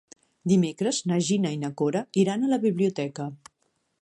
Dimecres na Gina i na Cora iran a la biblioteca.